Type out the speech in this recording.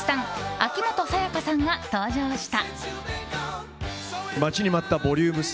秋元才加さんが登場した。